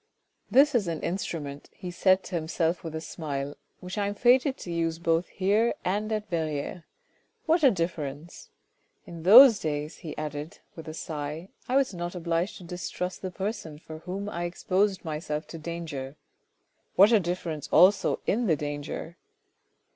"This is an instrument," he said to himself with a smile, " which I am fated to use both here and at Verrieres. What a difference ! In those days," he added with a sigh, " I was not obliged to distrust the person for whom I exposed myself to danger. What a difference also in the danger